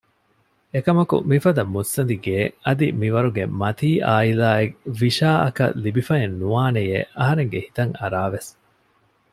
އެކަމަކު މިފަދަ މުއްސަނދި ގެޔެއް އަދި މިވަރުގެ މަތީ އާއިލާއެއް ވިޝާއަކަށް ލިބިފައެއް ނުވާނެޔޭ އަހަރެންގެ ހިތަށް އަރާވެސް